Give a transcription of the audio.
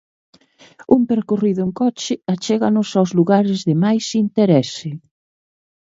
Un percorrido en coche achéganos aos lugares de máis interese.